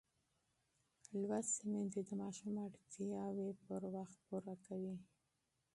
لوستې میندې د ماشوم اړتیاوې پر وخت پوره کوي.